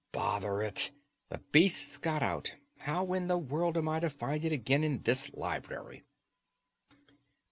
"Bother it! The beast's got out. How in the world am I to find it again in this library!"